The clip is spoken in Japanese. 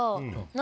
何？